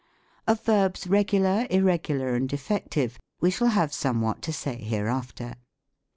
Of Verbs Regular, Irregular, and Defective, we shall have somewhat to say hereafter.